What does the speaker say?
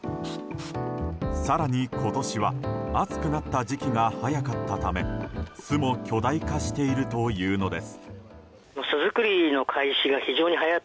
更に、今年は暑くなった時期が早かったため巣も巨大化しているというのです。